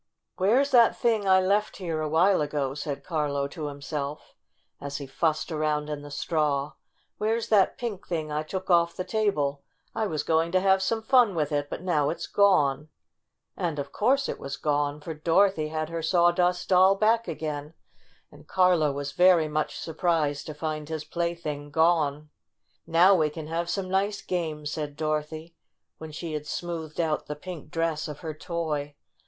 "Where's that thing I left here a while ago?" said Carlo to himself, as he fussed around in the straw. "Where's that pink thing I took off the table ? I was going to have some fun with it, but now it's gone !" And of course it was gone, for Dorothy had her Sawdust Doll back again, and Carlo was very much surprised to find his plaything gone. "Now we can have some nice games," said Dorothy, when she had smoothed out the pink dress of her toy.